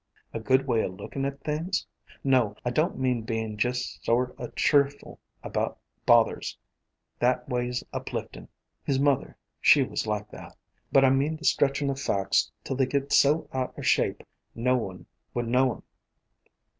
"A good way o' lookin' at things? No, I don't mean bein' jest sort o' cheerful about bothers. That way 's upliftin'. His mother, she was like that. But I mean the stretchin' o' facts till they get so out er shape, no one would know 'em.